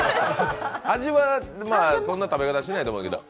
味は、そんな食べ方しないと思うけど。